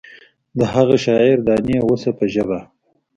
د هغه شاعر دانې وشه په ژبه.